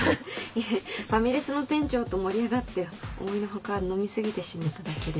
いえファミレスの店長と盛り上がって思いの外飲み過ぎてしまっただけで。